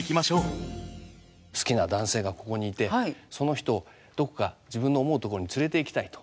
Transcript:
好きな男性がここにいてその人をどこか自分の思うとこに連れていきたいと。